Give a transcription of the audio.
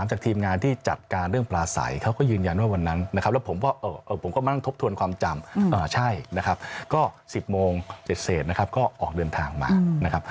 ใช่นะครับก็๑๐โมง๗เสรตนะครับก็ออกเดินทางมานะครับ